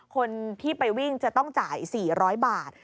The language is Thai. คนที่ไปวิ่งจะต้องจ่าย๔๐๐บาท